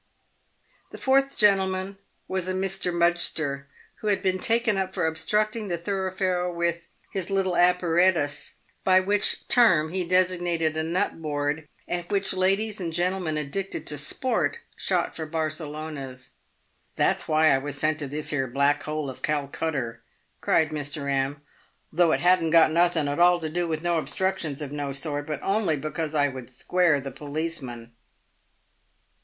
The fourth gentleman was a Mr. Mudgster, who had been taken up for obstructing the thoroughfare with " his little apparatus," by which term he designated a nut board, at which ladies and gentlemen ad dicted to sport shot for Barcelonas. " That's why I was sent to this here black hole of Calcutter," cried Mr. M., " though it hadn't got nothin' at all to do with no obstructions of no sort, but only because I would square the policeman."